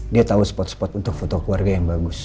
dia tahu spot spot untuk foto keluarga yang bagus